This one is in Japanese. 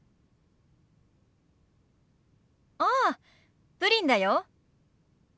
ああプリンだよ。